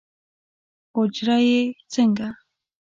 اوجره یې څنګه؟